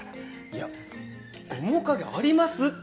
いや面影ありますって！